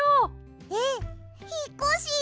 えっひっこし？